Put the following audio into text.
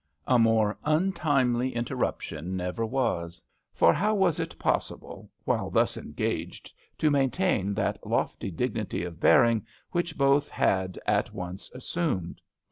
A more untimely interruption never was ; for how was it pos / 1 68 GRANNY LOVELOCK AT HOME» sible, while thus engaged, to maintain that lofty dignity of bearing which both had at once assumed?